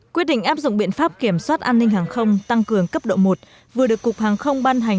quyết định áp dụng biện pháp kiểm soát an ninh hàng không tăng cường cấp độ một vừa được cục hàng không ban hành